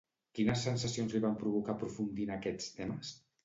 Quines sensacions li van provocar aprofundir en aquests temes?